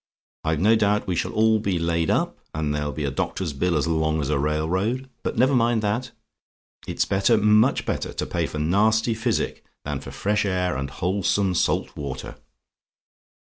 I've no doubt we shall all be laid up, and there'll be a doctor's bill as long as a railroad; but never mind that. It's better much better to pay for nasty physic than for fresh air and wholesome salt water.